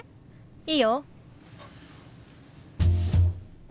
いいよ。